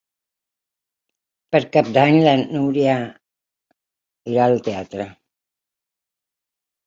Per Cap d'Any na Núria irà al teatre.